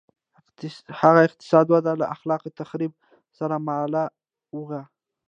هغه اقتصادي وده له خلاق تخریب سره مله وه.